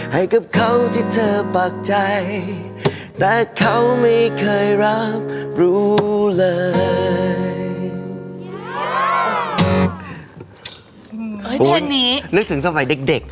ให้กับเขาที่เธอปากใจแต่เขาไม่เคยรับรู้เลย